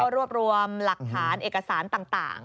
รวบรวมหลักฐานเอกสารต่าง